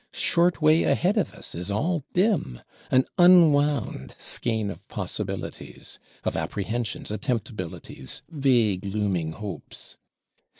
Short way ahead of us it is all dim; an _un_wound skein of possibilities, of apprehensions, attemptabilities, vague looming hopes.